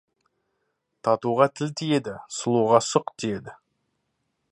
Татуға тіл тиеді, сұлуға сұқ тиеді.